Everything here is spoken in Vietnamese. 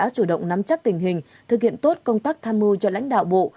trong các tình hình thực hiện tốt công tác tham mưu cho lãnh đạo bộ